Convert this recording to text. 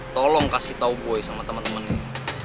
tolong kasih tau boy sama temen temen ini